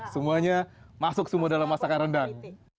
semuanya masuk semua dalam masakan rendang